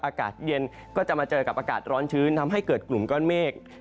อากาศเย็นก็จะมาเจอกับอากาศร้อนชื้นทำให้เกิดกลุ่มก้อนเมฆ